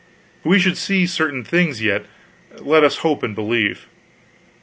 We should see certain things yet, let us hope and believe.